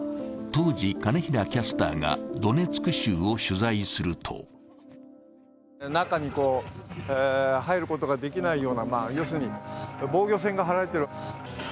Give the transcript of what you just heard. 当時、金平キャスターがドネツク州を取材すると中に入ることができないような要するに防御線が張られている。